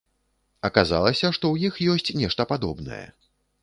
Аказалася, што ў іх ёсць нешта падобнае.